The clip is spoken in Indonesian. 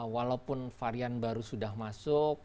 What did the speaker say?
walaupun varian baru sudah masuk